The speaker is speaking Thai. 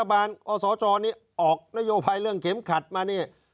อสจนี่ออกนโยบายเรื่องเข็มขัดมานี่